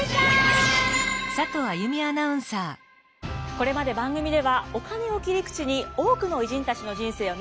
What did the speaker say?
これまで番組ではお金を切り口に多くの偉人たちの人生を見てきました。